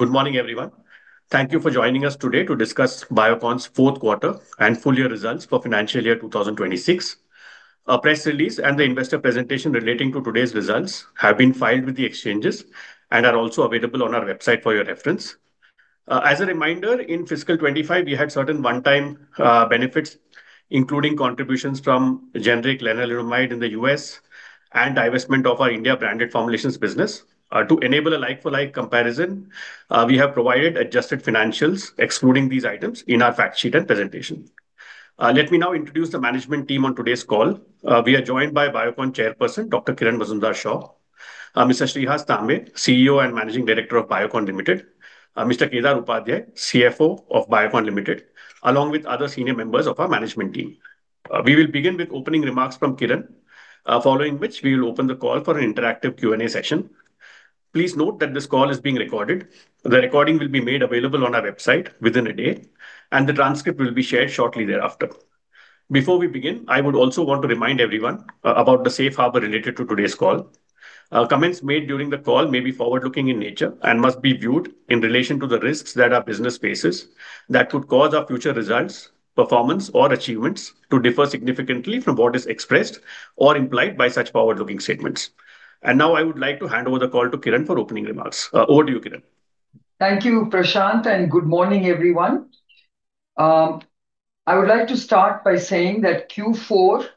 Good morning, everyone. Thank you for joining us today to discuss Biocon's fourth quarter and full year results for financial year 2026. A press release and the investor presentation relating to today's results have been filed with the exchanges and are also available on our website for your reference. As a reminder, in fiscal 2025 we had certain one-time benefits, including contributions from generic lenalidomide in the U.S. and divestment of our India branded formulations business. To enable a like-for-like comparison, we have provided adjusted financials excluding these items in our fact sheet and presentation. Let me now introduce the management team on today's call. We are joined by Biocon Chairperson, Dr. Kiran Mazumdar-Shaw, Mr. Shreehas Tambe, CEO and Managing Director of Biocon Limited, Mr. Kedar Upadhye, CFO of Biocon Limited, along with other senior members of our management team. We will begin with opening remarks from Kiran, following which we will open the call for an interactive Q&A session. Please note that this call is being recorded. The recording will be made available on our website within a day, and the transcript will be shared shortly thereafter. Before we begin, I would also want to remind everyone about the safe harbor related to today's call. Comments made during the call may be forward-looking in nature and must be viewed in relation to the risks that our business faces that could cause our future results, performance, or achievements to differ significantly from what is expressed or implied by such forward-looking statements. Now I would like to hand over the call to Kiran for opening remarks. Over to you, Kiran. Thank you, Prashant, and good morning, everyone. I would like to start by saying that Q4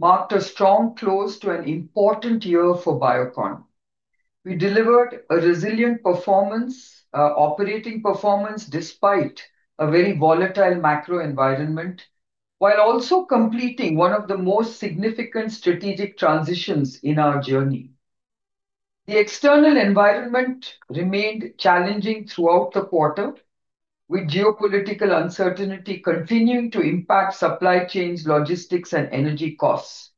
marked a strong close to an important year for Biocon. We delivered a resilient performance, operating performance despite a very volatile macro environment, while also completing one of the most significant strategic transitions in our journey. The external environment remained challenging throughout the quarter, with geopolitical uncertainty continuing to impact supply chains, logistics, and energy costs.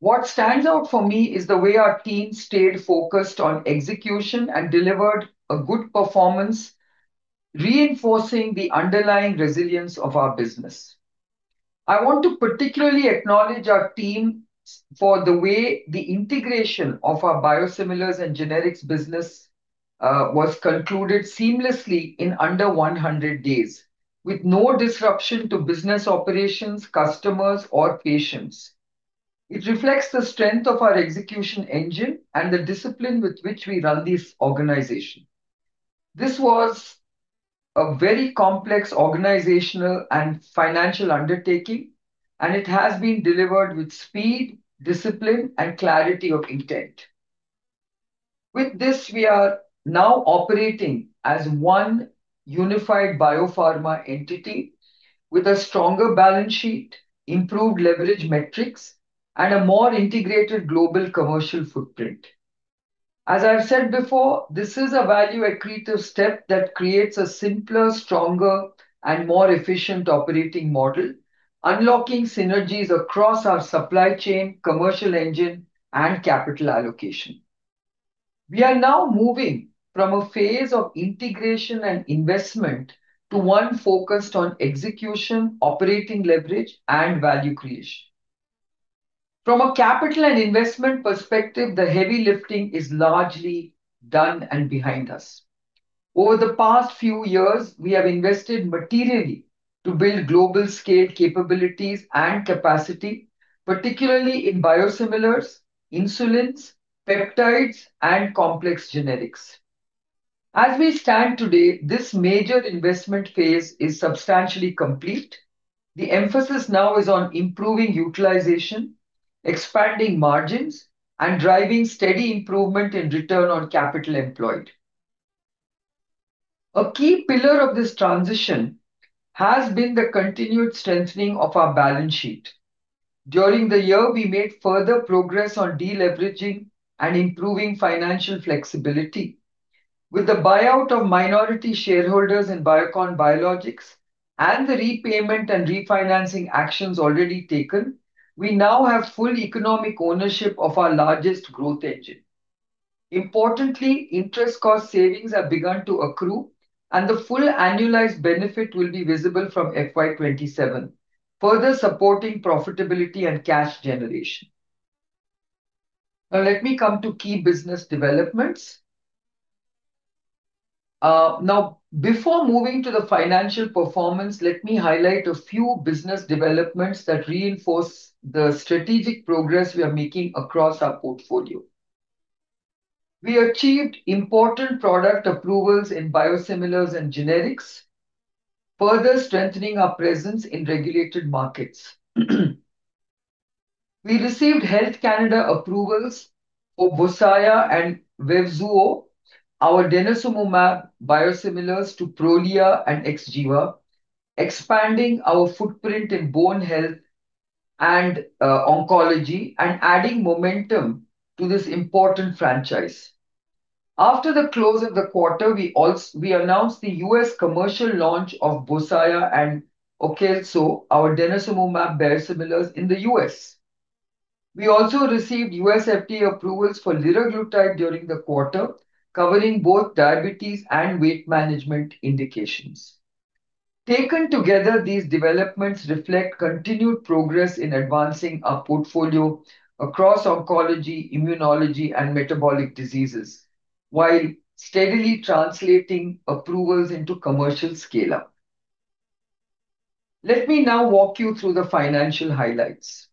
What stands out for me is the way our team stayed focused on execution and delivered a good performance, reinforcing the underlying resilience of our business. I want to particularly acknowledge our team for the way the integration of our biosimilars and generics business was concluded seamlessly in under 100 days with no disruption to business operations, customers, or patients. It reflects the strength of our execution engine and the discipline with which we run this organization. This was a very complex organizational and financial undertaking, and it has been delivered with speed, discipline, and clarity of intent. With this, we are now operating as one unified biopharma entity with a stronger balance sheet, improved leverage metrics, and a more integrated global commercial footprint. As I've said before, this is a value-accretive step that creates a simpler, stronger, and more efficient operating model, unlocking synergies across our supply chain, commercial engine, and capital allocation. We are now moving from a phase of integration and investment to one focused on execution, operating leverage, and value creation. From a capital and investment perspective, the heavy lifting is largely done and behind us. Over the past few years, we have invested materially to build global scale capabilities and capacity, particularly in biosimilars, insulins, peptides, and complex generics. As we stand today, this major investment phase is substantially complete. The emphasis now is on improving utilization, expanding margins, and driving steady improvement in return on capital employed. A key pillar of this transition has been the continued strengthening of our balance sheet. During the year, we made further progress on de-leveraging and improving financial flexibility. With the buyout of minority shareholders in Biocon Biologics and the repayment and refinancing actions already taken, we now have full economic ownership of our largest growth engine. Importantly, interest cost savings have begun to accrue, and the full annualized benefit will be visible from FY 2027, further supporting profitability and cash generation. Now, let me come to key business developments. Now, before moving to the financial performance, let me highlight a few business developments that reinforce the strategic progress we are making across our portfolio. We achieved important product approvals in biosimilars and generics, further strengthening our presence in regulated markets. We received Health Canada approvals for Bosaya and Vevzuo, our denosumab biosimilars to Prolia and Xgeva, expanding our footprint in bone health and oncology, and adding momentum to this important franchise. After the close of the quarter, we announced the U.S. commercial launch of Bosaya and Aukelso, our denosumab biosimilars in the U.S. We also received U.S. FDA approvals for liraglutide during the quarter, covering both diabetes and weight management indications. Taken together, these developments reflect continued progress in advancing our portfolio across oncology, immunology, and metabolic diseases, while steadily translating approvals into commercial scale-up. Let me now walk you through the financial highlights.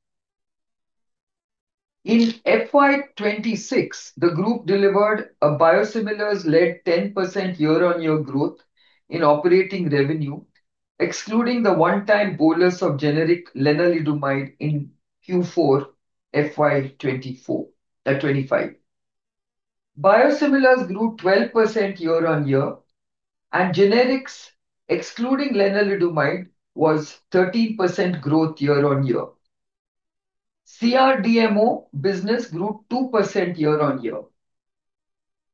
In FY 2026, the group delivered a biosimilars-led 10% year-on-year growth in operating revenue, excluding the one-time bolus of generic lenalidomide in Q4 FY 2024, 2025. Biosimilars grew 12% year-on-year, and generics, excluding lenalidomide, was 13% growth year-on-year. CRDMO business grew 2% year-on-year.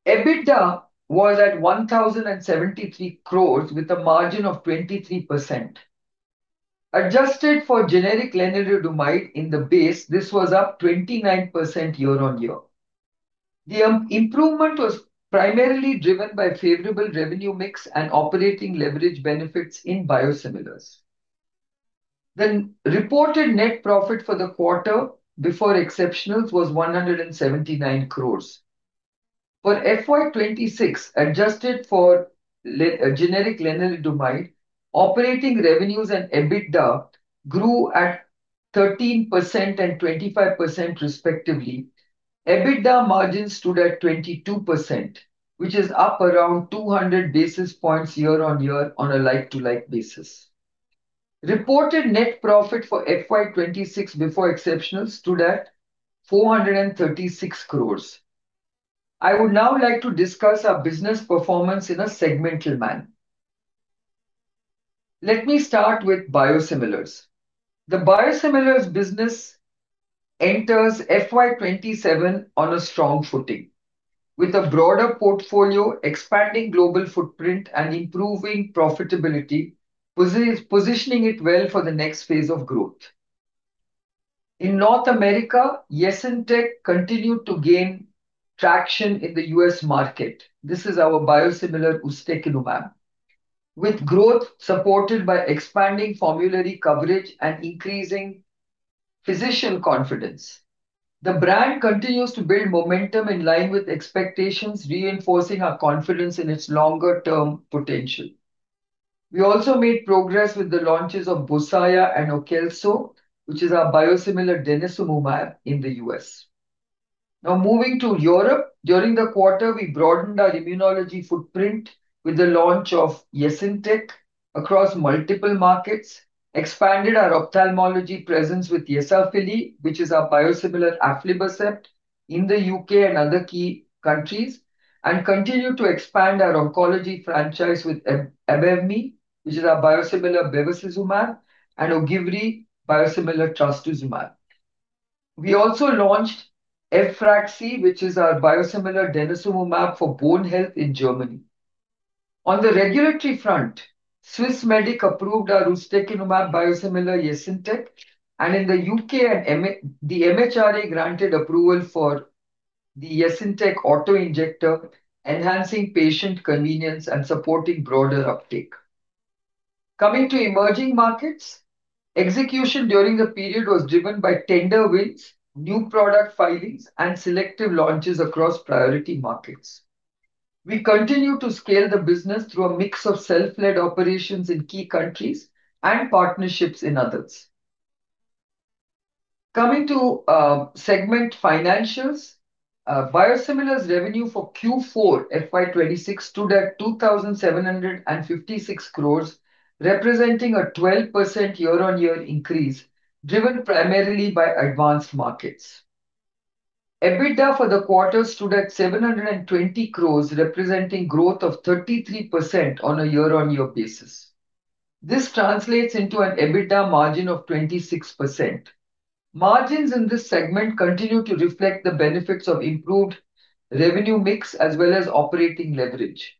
EBITDA was at 1,073 crores with a margin of 23%. Adjusted for generic lenalidomide in the base, this was up 29% year-on-year. The improvement was primarily driven by favorable revenue mix and operating leverage benefits in biosimilars. The reported net profit for the quarter before exceptionals was 179 crores. For FY 2026, adjusted for generic lenalidomide, operating revenues and EBITDA grew at 13% and 25% respectively. EBITDA margin stood at 22%, which is up around 200 basis points year-on-year on a like-to-like basis. Reported net profit for FY 2026 before exceptionals stood at 436 crores. I would now like to discuss our business performance in a segmental manner. Let me start with biosimilars. The biosimilars business enters FY 2027 on a strong footing, with a broader portfolio expanding global footprint and improving profitability, positioning it well for the next phase of growth. In North America, Yesintek continued to gain traction in the U.S. market. This is our biosimilar ustekinumab. With growth supported by expanding formulary coverage and increasing physician confidence, the brand continues to build momentum in line with expectations, reinforcing our confidence in its longer-term potential. We also made progress with the launches of Bosaya and Aukelso, which is our biosimilar denosumab in the U.S. Moving to Europe, during the quarter, we broadened our immunology footprint with the launch of Yesintek across multiple markets, expanded our ophthalmology presence with Yesafili, which is our biosimilar aflibercept in the U.K. and other key countries, and continue to expand our oncology franchise with Abevmy, which is our biosimilar bevacizumab, and Ogivri, biosimilar trastuzumab. We also launched Evfraxy, which is our biosimilar denosumab for bone health in Germany. On the regulatory front, [Swissmedic] approved our ustekinumab biosimilar Yesintek, and in the U.K. the MHRA granted approval for the Yesintek auto-injector, enhancing patient convenience and supporting broader uptake. Coming to emerging markets, execution during the period was driven by tender wins, new product filings, and selective launches across priority markets. We continue to scale the business through a mix of self-led operations in key countries and partnerships in others. Coming to segment financials, biosimilars revenue for Q4 FY 2026 stood at 2,756 crores, representing a 12% year-on-year increase, driven primarily by advanced markets. EBITDA for the quarter stood at 720 crores, representing growth of 33% on a year-on-year basis. This translates into an EBITDA margin of 26%. Margins in this segment continue to reflect the benefits of improved revenue mix as well as operating leverage.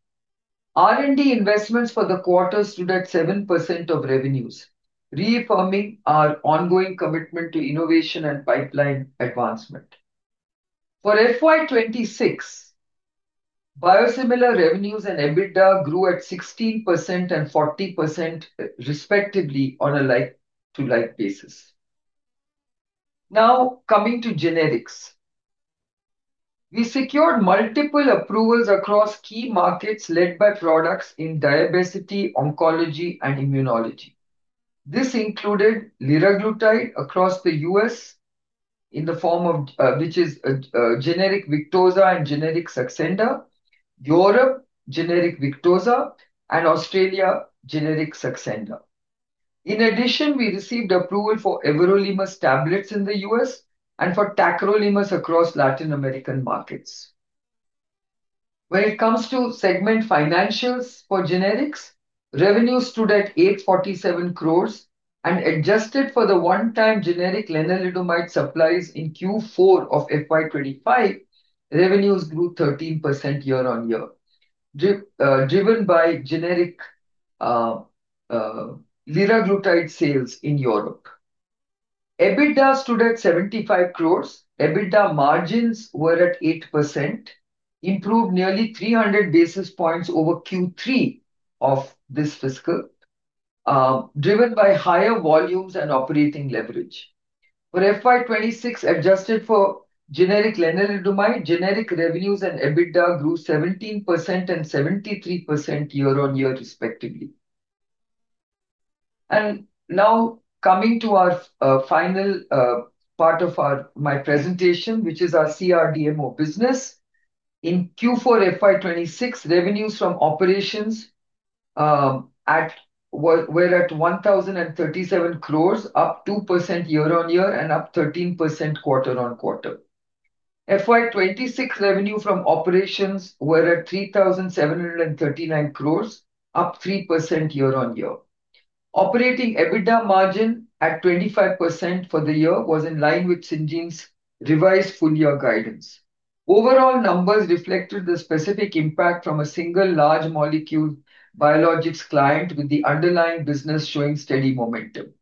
R&D investments for the quarter stood at 7% of revenues, reaffirming our ongoing commitment to innovation and pipeline advancement. For FY 2026, biosimilar revenues and EBITDA grew at 16% and 40% respectively on a like-to-like basis. Now, coming to generics. We secured multiple approvals across key markets led by products in diabesity, oncology, and immunology. This included liraglutide across the U.S. in the form of, which is generic Victoza and generic Saxenda, Europe generic Victoza, and Australia generic Saxenda. In addition, we received approval for everolimus tablets in the U.S. and for tacrolimus across Latin American markets. When it comes to segment financials for generics, revenue stood at 847 crores and adjusted for the one-time generic lenalidomide supplies in Q4 of FY 2025, revenues grew 13% year-on-year, driven by generic liraglutide sales in Europe. EBITDA stood at 75 crores. EBITDA margins were at 8%, improved nearly 300 basis points over Q3 of this fiscal, driven by higher volumes and operating leverage. For FY 2026, adjusted for generic lenalidomide, generic revenues and EBITDA grew 17% and 73% year-on-year respectively. Now coming to our final part of our presentation, which is our CRDMO business. In Q4 FY 2026, revenues from operations were at 1,037 crore, up 2% year-on-year and up 13% quarter-on-quarter. FY 2026 revenue from operations were at 3,739 crore, up 3% year-on-year. Operating EBITDA margin at 25% for the year was in line with Syngene's revised full year guidance. Overall numbers reflected the specific impact from a single large molecule biologics client with the underlying business showing steady momentum.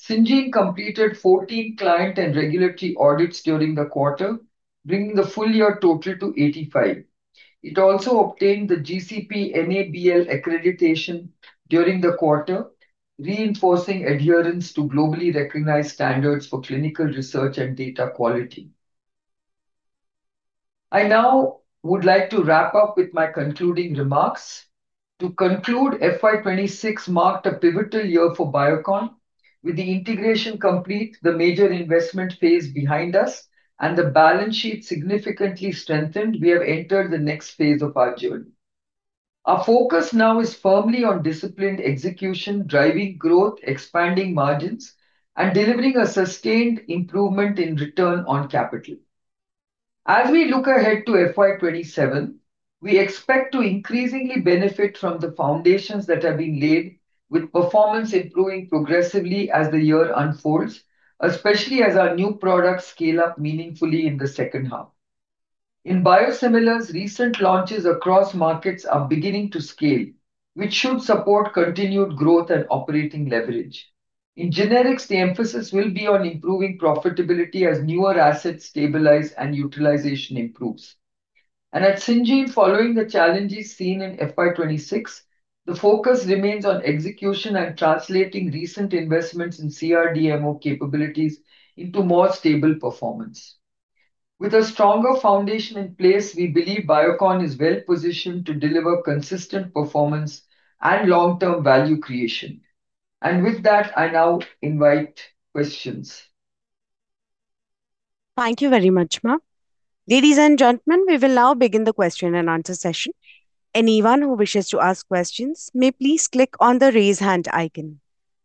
Syngene completed 14 client and regulatory audits during the quarter, bringing the full year total to 85. It also obtained the GCP/NABL accreditation during the quarter, reinforcing adherence to globally recognized standards for clinical research and data quality. I now would like to wrap up with my concluding remarks. To conclude, FY 2026 marked a pivotal year for Biocon. With the integration complete, the major investment phase behind us, and the balance sheet significantly strengthened, we have entered the next phase of our journey. Our focus now is firmly on disciplined execution, driving growth, expanding margins, and delivering a sustained improvement in return on capital. As we look ahead to FY 2027, we expect to increasingly benefit from the foundations that have been laid with performance improving progressively as the year unfolds, especially as our new products scale up meaningfully in the second half. In biosimilars, recent launches across markets are beginning to scale, which should support continued growth and operating leverage. In generics, the emphasis will be on improving profitability as newer assets stabilize and utilization improves. At Syngene, following the challenges seen in FY 2026, the focus remains on execution and translating recent investments in CRDMO capabilities into more stable performance. With a stronger foundation in place, we believe Biocon is well-positioned to deliver consistent performance and long-term value creation. With that, I now invite questions. Thank you very much, ma'am. Ladies and gentlemen, we will now begin the question and answer session. Anyone who wishes to ask questions may please click on the Raise Hand icon.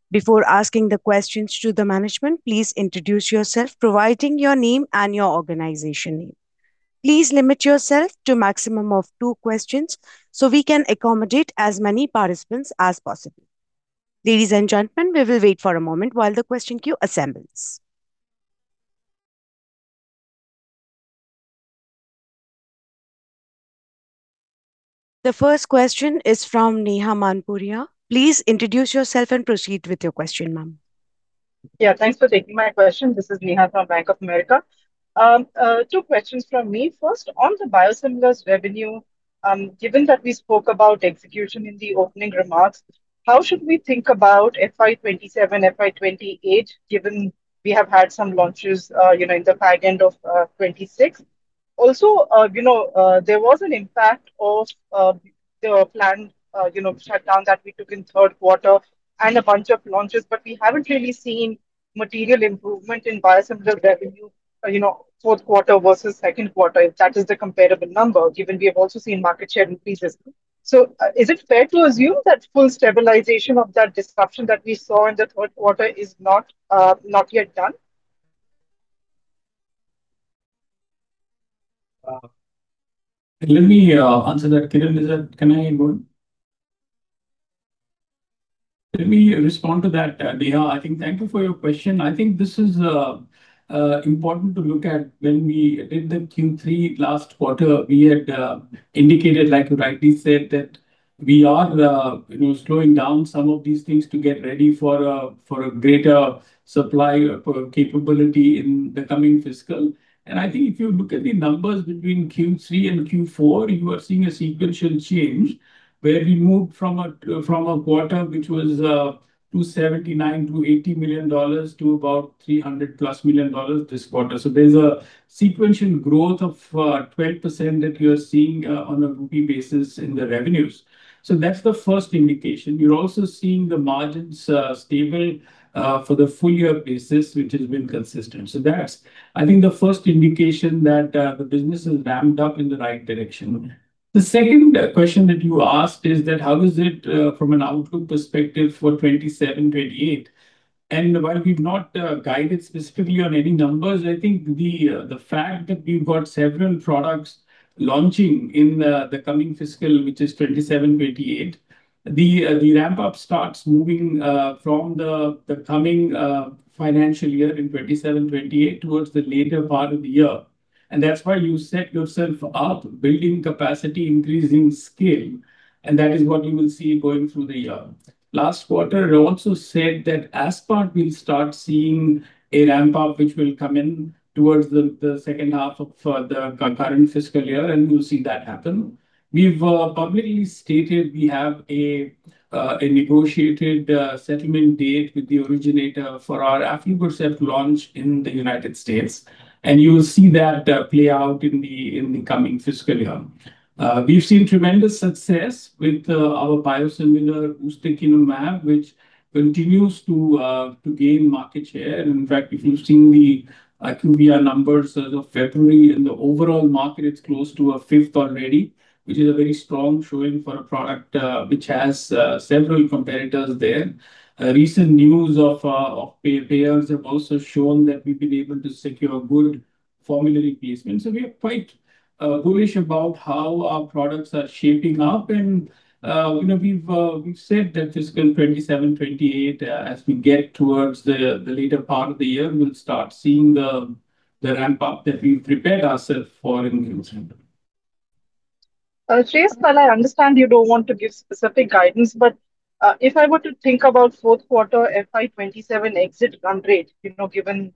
Before asking the questions to the management, please introduce yourself, providing your name and your organization name. Please limit yourself to maximum of two questions so we can accommodate as many participants as possible. Ladies and gentlemen, we will wait for a moment while the question queue assembles. The first question is from Neha Manpuria. Please introduce yourself and proceed with your question, ma'am. Yeah, thanks for taking my question. This is Neha from Bank of America. Two questions from me. First, on the biosimilars revenue, given that we spoke about execution in the opening remarks, how should we think about FY 2027, FY 2028, given we have had some launches, you know, in the back end of 2026? There was an impact of the planned, you know, shutdown that we took in third quarter and a bunch of launches, but we haven't really seen material improvement in biosimilar revenue, you know, fourth quarter versus second quarter, if that is the comparable number, given we have also seen market share increases. Is it fair to assume that full stabilization of that disruption that we saw in the third quarter is not yet done? Let me answer that. Kiran, can I go ahead? Let me respond to that, Neha, I think. Thank you for your question. I think this is important to look at. When we did the Q3 last quarter, we had indicated, like you rightly said, that we are, you know, slowing down some of these things to get ready for a greater supply for capability in the coming fiscal. I think if you look at the numbers between Q3 and Q4, you are seeing a sequential change where we moved from a quarter which was $279 million-$280 million to about $300+ million this quarter. There's a sequential growth of 12% that you're seeing on a group basis in the revenues. That's the first indication. You're also seeing the margins stable for the full year basis, which has been consistent. That's, I think, the first indication that the business has ramped up in the right direction. The second question that you asked is that how is it from an outlook perspective for 2027, 2028? While we've not guided specifically on any numbers, I think the fact that we've got several products launching in the coming fiscal, which is 2027, 2028, the ramp up starts moving from the coming financial year in 2027, 2028 towards the later part of the year. That's why you set yourself up building capacity, increasing scale, and that is what you will see going through the year. Last quarter, I also said that aspart will start seeing a ramp up, which will come in towards the second half of the concurrent fiscal year, we'll see that happen. We've publicly stated we have a negotiated settlement date with the originator for our aflibercept launch in the United States, you will see that play out in the coming fiscal year. We've seen tremendous success with our biosimilar ustekinumab, which continues to gain market share. In fact, if you've seen the IQVIA numbers as of February, in the overall market it's close to a fifth already, which is a very strong showing for a product which has several competitors there. Recent news of payers have also shown that we've been able to secure good formulary placements. We are quite bullish about how our products are shaping up. You know, we've said that fiscal 2027, 2028, as we get towards the later part of the year, we'll start seeing the ramp up that we've prepared ourself for. I understand you don't want to give specific guidance, if I were to think about fourth quarter FY 2027 exit run rate, you know, given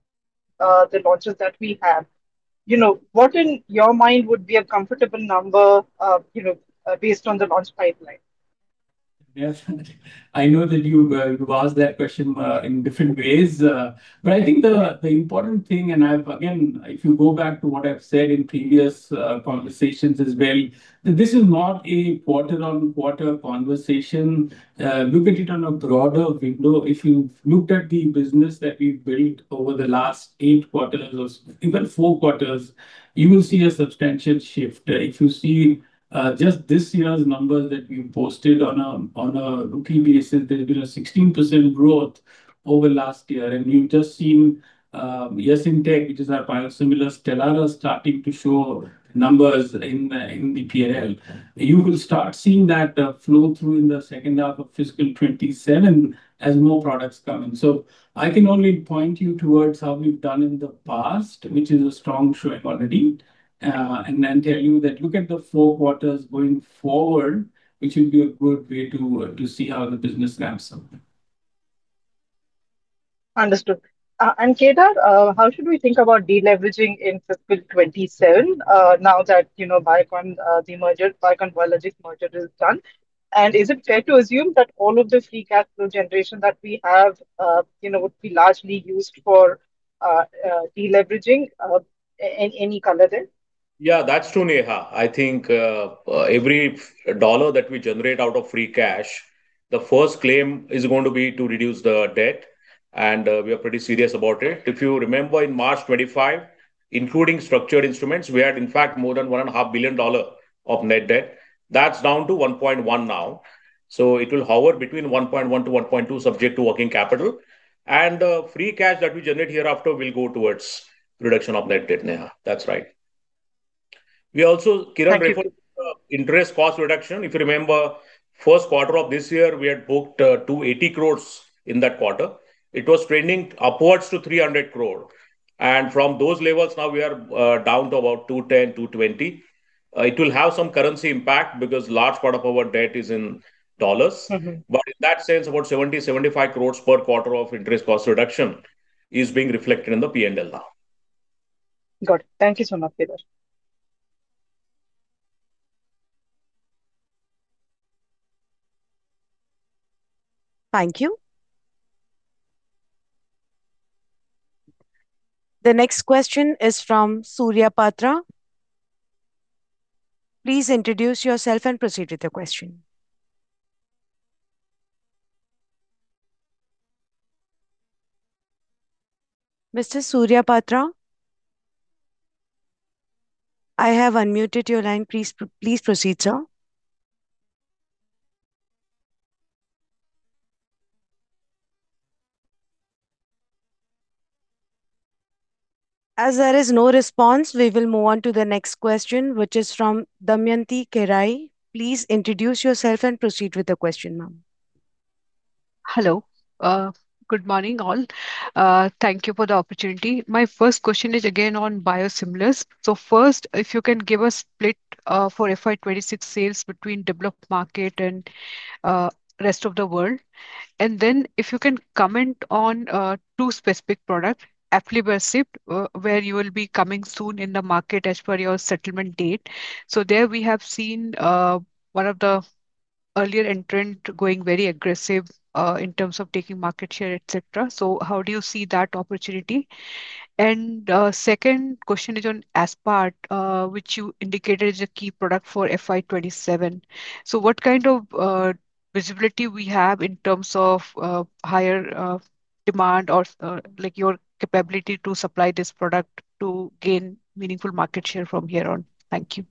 the launches that we have, you know, what in your mind would be a comfortable number, you know, based on the launch pipeline? Yes. I know that you've asked that question in different ways. I think the important thing, and I've, again, if you go back to what I've said in previous conversations as well, this is not a quarter-on-quarter conversation. Look at it on a broader window. If you've looked at the business that we've built over the last eight quarters or even four quarters, you will see a substantial shift. If you see just this year's numbers that we posted on a repeat basis, there's been a 16% growth over last year. We've just seen Yesintek, which is our biosimilar Stelara starting to show numbers in the P&L. You will start seeing that flow through in the second half of fiscal 2027 as more products come in. I can only point you towards how we've done in the past, which is a strong showing already, and then tell you that look at the four quarters going forward, which will be a good way to see how the business ramps up. Understood. Kedar, how should we think about de-leveraging in FY 2027, now that, you know, Biocon, the merger, Biocon Biologics merger is done? Is it fair to assume that all of the free cash flow generation that we have, you know, would be largely used for de-leveraging? Any color there? That's true, Neha. I think every dollar that we generate out of free cash, the first claim is going to be to reduce the debt, and we are pretty serious about it. If you remember, in March 2025, including structured instruments, we had in fact more than $1.5 billion of net debt. That's down to $1.1 billion now. It will hover between $1.1 billion-$1.2 billion, subject to working capital. The free cash that we generate hereafter will go towards reduction of net debt, Neha. That's right. We also, Kiran referred interest cost reduction. If you remember, first quarter of this year we had booked, 280 crores in that quarter. It was trending upwards to 300 crore. From those levels now we are down to about 210 crore-220 crore. It will have some currency impact because large part of our debt is in U.S. dollars. In that sense, about 70 crores-75 crores per quarter of interest cost reduction is being reflected in the P&L now. Good. Thank you so much, Kedar. Thank you. The next question is from Surya Patra. Please introduce yourself and proceed with your question. Mr. Surya Patra, I have unmuted your line. Please proceed, sir. As there is no response, we will move on to the next question, which is from Damayanti Kerai. Please introduce yourself and proceed with the question, ma'am. Hello. Good morning, all. Thank you for the opportunity. My first question is again on biosimilars. First, if you can give a split for FY 2026 sales between developed market and rest of the world. If you can comment on two specific products, aflibercept, where you will be coming soon in the market as per your settlement date. There we have seen one of the earlier entrant going very aggressive in terms of taking market share, et cetera. How do you see that opportunity? Second question is on aspart, which you indicated is a key product for FY 2027. What kind of visibility we have in terms of higher demand or like your capability to supply this product to gain meaningful market share from here on? Thank you.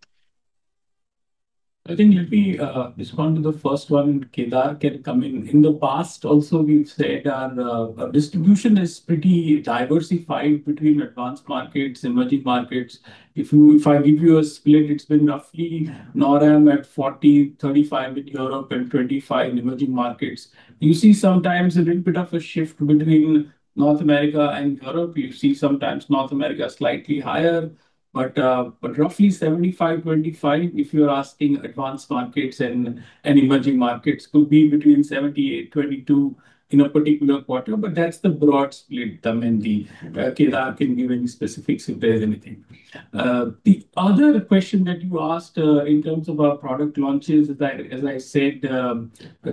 I think let me respond to the first one. Kedar can come in. In the past also we've said our distribution is pretty diversified between advanced markets, emerging markets. If I give you a split, it's been roughly NORAM at 40%, 35% with Europe and 25% emerging markets. You see sometimes a little bit of a shift between North America and Europe. You see sometimes North America slightly higher, but roughly 75/25 if you're asking advanced markets and emerging markets. Could be between 78/22 in a particular quarter, but that's the broad split, Damayanti. Kedar can give any specifics if there's anything. The other question that you asked in terms of our product launches, as I said,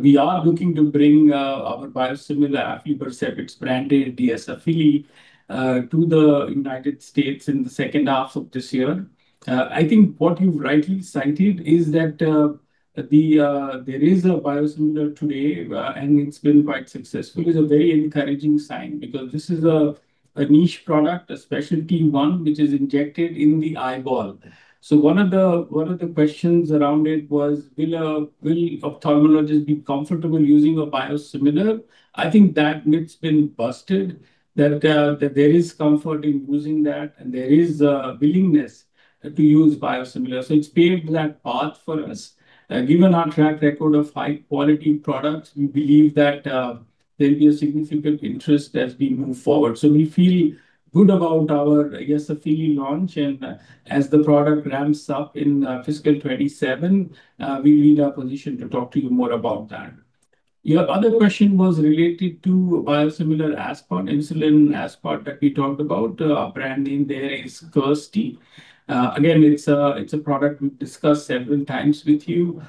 we are looking to bring our biosimilar aflibercept. It's branded Yesafili to the United States in the second half of this year. I think what you've rightly cited is that there is a biosimilar today, and it's been quite successful. It's a very encouraging sign because this is a niche product, a specialty one, which is injected in the eyeball. One of the, one of the questions around it was will ophthalmologists be comfortable using a biosimilar? I think that myth's been busted that there is comfort in using that, and there is a willingness to use biosimilar. It's paved that path for us. Given our track record of high-quality products, we believe that there'll be a significant interest as we move forward. We feel good about our, I guess, Yesafili launch. As the product ramps up in FY 2027, we'll be in a position to talk to you more about that. Your other question was related to biosimilar aspart, insulin aspart that we talked about. Our brand name there is Kirsty. Again, it's a product we've discussed several times with you.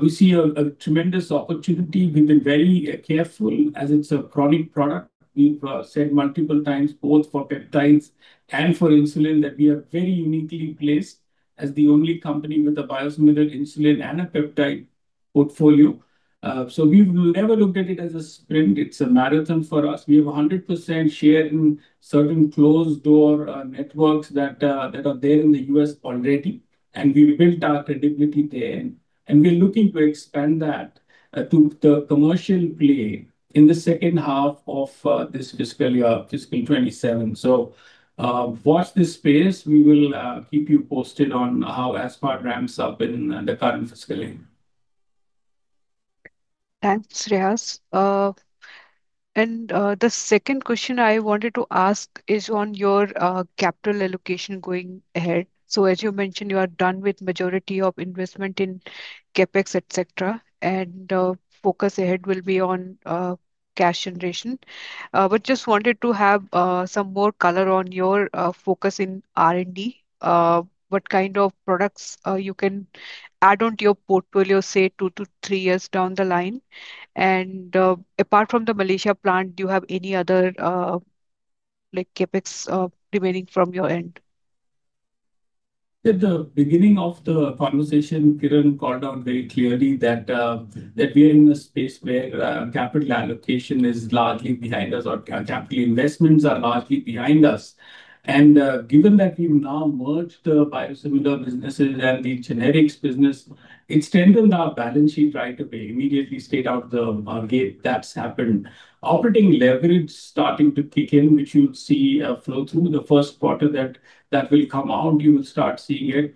We see a tremendous opportunity. We've been very careful as it's a chronic product. We've said multiple times both for peptides and for insulin that we are very uniquely placed as the only company with a biosimilar insulin and a peptide portfolio. We've never looked at it as a sprint. It's a marathon for us. We have 100% share in certain closed-door networks that are there in the U.S. already, and we've built our credibility there. We're looking to expand that to the commercial play in the second half of this fiscal year, FY 2027. Watch this space. We will keep you posted on how aspart ramps up in the current fiscal year. Thanks, Shreehas. The second question I wanted to ask is on your capital allocation going ahead. As you mentioned, you are done with majority of investment in CapEx, et cetera, focus ahead will be on cash generation. Just wanted to have some more color on your focus in R&D. What kind of products you can add onto your portfolio, say, 2-3 years down the line? Apart from the Malaysia plant, do you have any other like CapEx remaining from your end? At the beginning of the conversation, Kiran called out very clearly that we are in a space where capital allocation is largely behind us or capital investments are largely behind us. Given that we've now merged the biosimilar businesses and the generics business, it's strengthened our balance sheet right away. Immediately straight out the gate that's happened. Operating leverage starting to kick in, which you'll see flow through the first quarter that will come out. You will start seeing it.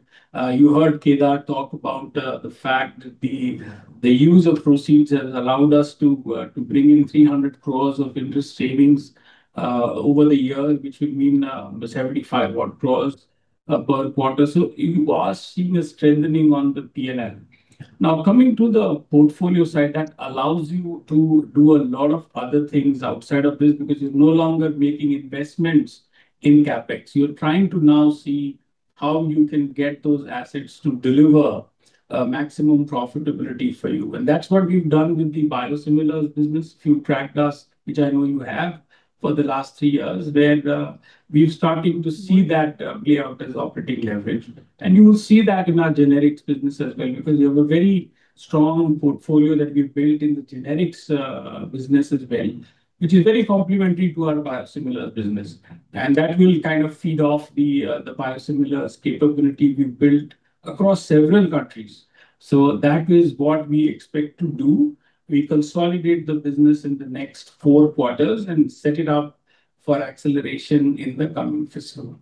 You heard Kedar talk about the fact that the use of proceeds has allowed us to bring in 300 crores of interest savings over the year, which would mean 75 odd crores per quarter. You are seeing a strengthening on the P&L. Coming to the portfolio side, that allows you to do a lot of other things outside of this because you're no longer making investments in CapEx. You're trying to now see how you can get those assets to deliver maximum profitability for you. That's what we've done with the biosimilars business. If you've tracked us, which I know you have, for the last three years, where we're starting to see that play out as operating leverage. You will see that in our generics business as well because we have a very strong portfolio that we've built in the generics business as well, which is very complementary to our biosimilars business. That will kind of feed off the biosimilars capability we've built across several countries. That is what we expect to do. We consolidate the business in the next four quarters and set it up for acceleration in the coming fiscal.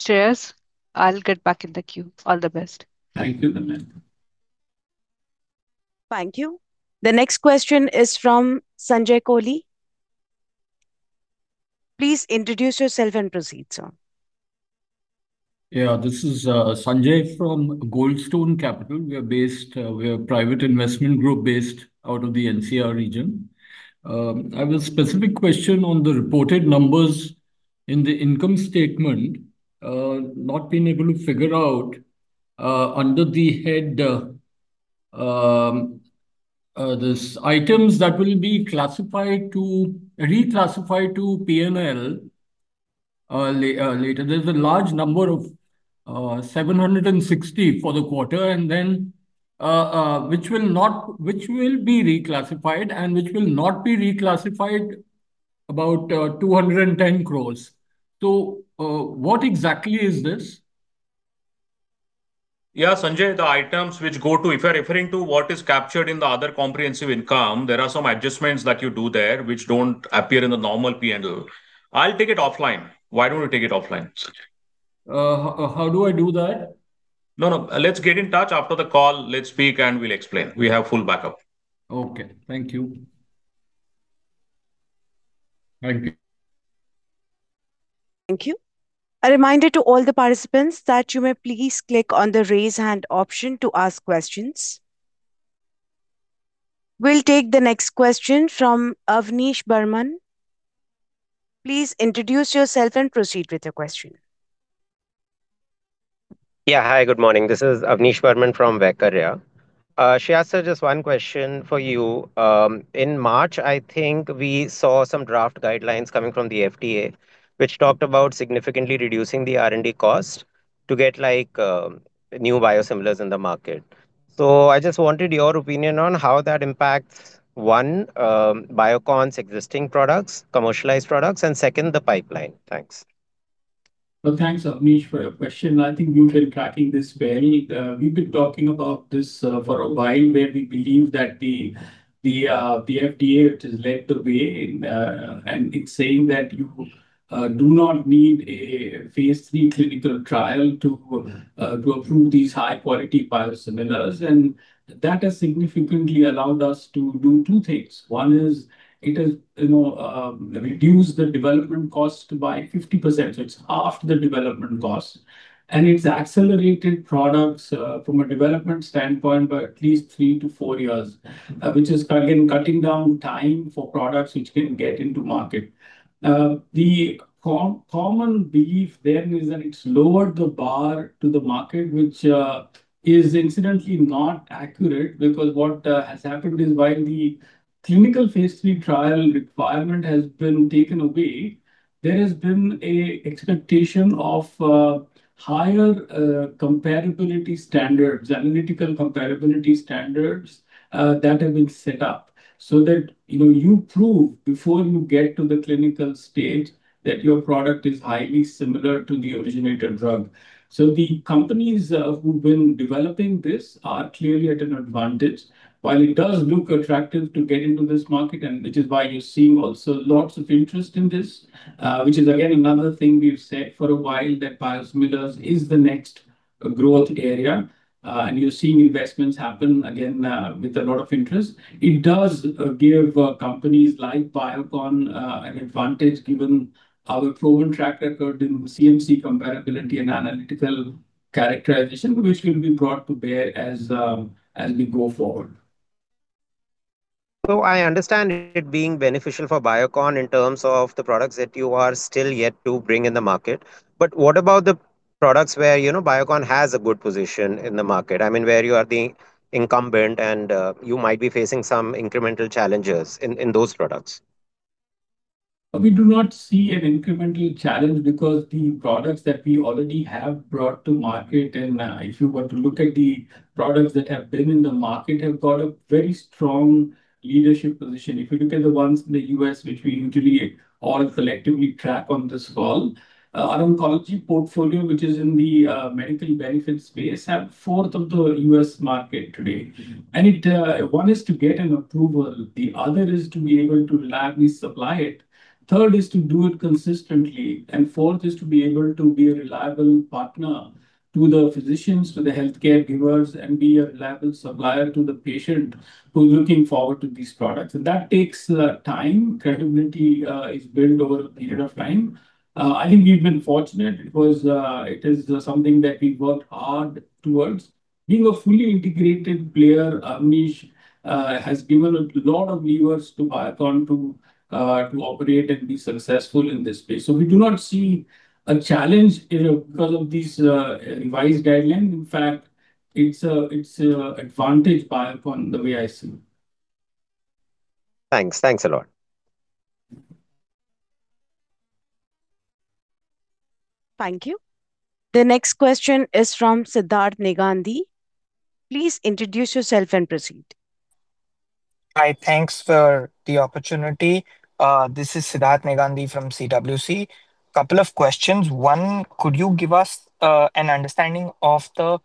Shreehas, I'll get back in the queue. All the best. Thank you, Damayanti. Thank you. The next question is from Sanjay Kohli. Please introduce yourself and proceed, sir. Yeah. This is Sanjay from Goldstone Capital. We are based, we are a private investment group based out of the NCR region. I have a specific question on the reported numbers in the income statement. Not been able to figure out under the head, this items that will be classified to, reclassified to P&L later. There's a large number of 760 for the quarter and then, which will be reclassified and which will not be reclassified. About, 210 crores. What exactly is this? Sanjay, if you're referring to what is captured in the other comprehensive income, there are some adjustments that you do there which don't appear in the normal P&L. I'll take it offline. Why don't we take it offline, Sanjay? How do I do that? No, no. Let's get in touch after the call. Let's speak, and we'll explain. We have full backup. Okay. Thank you. Thank you. Thank you. A reminder to all the participants that you may please click on the Raise Hand option to ask questions. We'll take the next question from Avnish Burman. Please introduce yourself and proceed with your question. Yeah. Hi, good morning. This is Avnish Burman from Vaikarya. Shreehas, sir, just one question for you. In March, I think we saw some draft guidelines coming from the FDA which talked about significantly reducing the R&D cost to get, like, new biosimilars in the market. I just wanted your opinion on how that impacts, one, Biocon's existing products, commercialized products, and second, the pipeline. Thanks. Thanks, Avnish, for your question. I think you've been tracking this well. We've been talking about this for a while, where we believe that the FDA which has led the way in saying that you do not need a phase III clinical trial to approve these high-quality biosimilars. That has significantly allowed us to do two things. One is it has reduced the development cost by 50%, so it's half the development cost. It's accelerated products from a development standpoint by at least 3-4 years, which is again cutting down time for products which can get into market. The common belief then is that it's lowered the bar to the market, which is incidentally not accurate. Because what has happened is, while the clinical phase III trial requirement has been taken away, there has been an expectation of higher comparability standards, analytical comparability standards, that have been set up, so that, you know, you prove before you get to the clinical stage that your product is highly similar to the originator drug. The companies who've been developing this are clearly at an advantage. While it does look attractive to get into this market, and which is why you're seeing also lots of interest in this, which is again another thing we've said for a while, that biosimilars is the next growth area. You're seeing investments happen again with a lot of interest. It does give companies like Biocon an advantage given our proven track record in CMC comparability and analytical characterization, which will be brought to bear as we go forward. I understand it being beneficial for Biocon in terms of the products that you are still yet to bring in the market. What about the products where, you know, Biocon has a good position in the market, I mean, where you are the incumbent and you might be facing some incremental challenges in those products? We do not see an incremental challenge because the products that we already have brought to market, if you were to look at the products that have been in the market, have got a very strong leadership position. If you look at the ones in the U.S., which we usually all collectively track on this call, our oncology portfolio, which is in the medical benefit space, have fourth of the U.S. market today. It, one is to get an approval, the other is to be able to reliably supply it, third is to do it consistently, and fourth is to be able to be a reliable partner to the physicians, to the healthcare givers, and be a reliable supplier to the patient who's looking forward to these products. That takes time. Credibility is built over a period of time. I think we've been fortunate because it is something that we've worked hard towards. Being a fully integrated player, Avnish, has given a lot of levers to Biocon to operate and be successful in this space. We do not see a challenge, you know, because of these revised guidelines. In fact, it's a advantage Biocon, the way I see. Thanks. Thanks a lot. Thank you. The next question is from Siddharth Negandhi. Please introduce yourself and proceed. Hi. Thanks for the opportunity. This is Siddharth Negandhi from CWC. Couple of questions. One, could you give us an understanding of the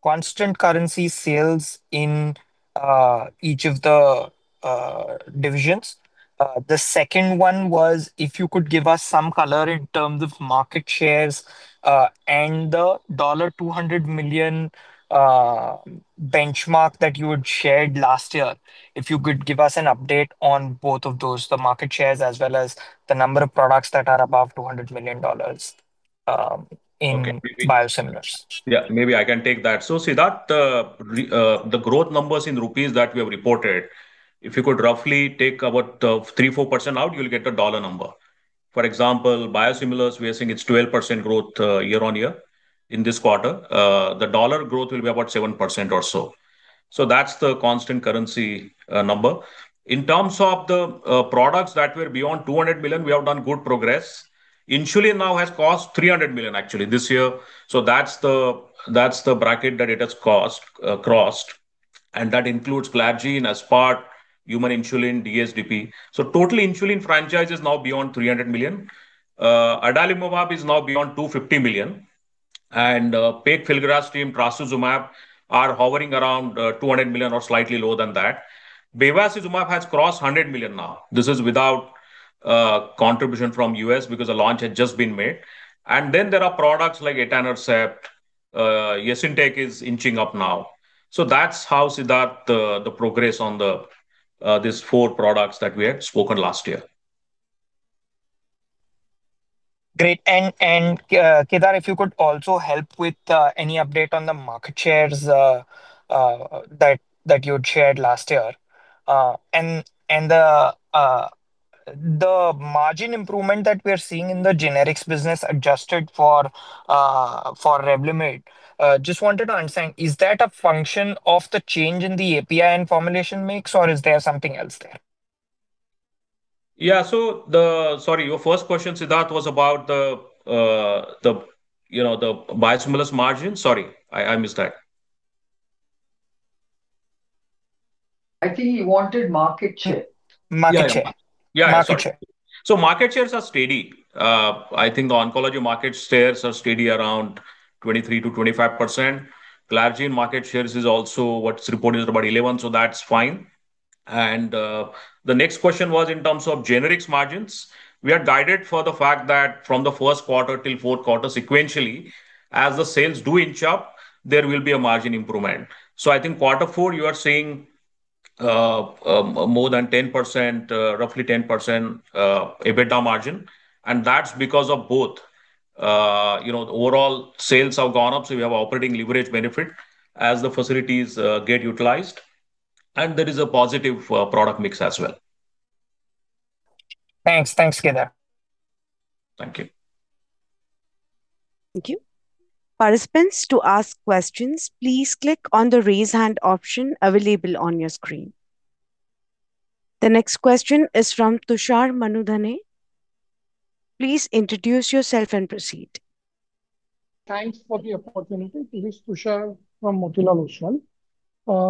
constant currency sales in each of the divisions? The second one was if you could give us some color in terms of market shares and the $200 million benchmark that you had shared last year. If you could give us an update on both of those, the market shares as well as the number of products that are above $200 million in biosimilars. Yeah. Maybe I can take that. Siddharth, the growth numbers in rupees that we have reported, if you could roughly take about 3%-4% out, you'll get a dollar number. For example, biosimilars, we are seeing it's 12% growth year-on-year in this quarter. The dollar growth will be about 7% or so. That's the constant currency number. In terms of the products that were beyond 200 million, we have done good progress. insulin now has crossed 300 million actually this year, that's the bracket that it has crossed. That includes glargine, aspart, human insulin, DSDP. Total insulin franchise is now beyond 300 million. adalimumab is now beyond 250 million. Pegfilgrastim, trastuzumab are hovering around 200 million or slightly lower than that. Bevacizumab has crossed 100 million now. This is without contribution from U.S. because the launch had just been made. There are products like etanercept, Yesintek is inching up now. That's how, Siddharth, the progress on the these four products that we had spoken last year. Great. Kedar, if you could also help with any update on the market shares that you had shared last year. The margin improvement that we're seeing in the generics business adjusted for Revlimid, just wanted to understand, is that a function of the change in the API and formulation mix, or is there something else there? Yeah. Your first question, Siddharth, was about the, you know, the biosimilars margin? Sorry, I missed that. I think he wanted market share. Market share. Yeah. Market share. Yeah, sorry. Market shares are steady. I think the oncology market shares are steady around 23%-25%. Glargine market shares is also what's reported, about 11%, so that's fine. The next question was in terms of generics margins. We are guided for the fact that from the first quarter till fourth quarter sequentially, as the sales do inch up, there will be a margin improvement. I think quarter four you are seeing more than 10%, roughly 10% EBITDA margin, and that's because of both, you know, overall sales have gone up, so we have operating leverage benefit as the facilities get utilized, and there is a positive product mix as well. Thanks. Thanks, Kedar. Thank you. Thank you. Participants, to ask questions, please click on the Raise Hand option available on your screen. The next question is from Tushar Manudhane. Please introduce yourself and proceed. Thanks for the opportunity. This is Tushar from Motilal Oswal.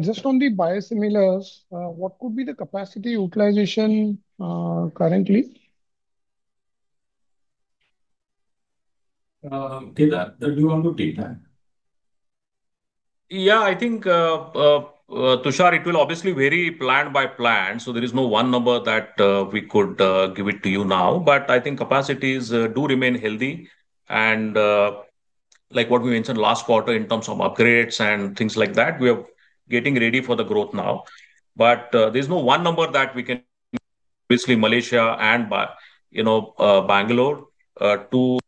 Just on the biosimilars, what could be the capacity utilization currently? Kedar, do you want to take that? Yeah. I think, Tushar, it will obviously vary plant by plant, so there is no one number that we could give it to you now. I think capacities do remain healthy and, like what we mentioned last quarter in terms of upgrades and things like that, we are getting ready for the growth now. There's no one number that we can. Basically Malaysia and, you know, Bangalore, two.